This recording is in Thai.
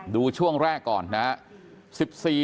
ดูช่วงแรกก่อนนะครับ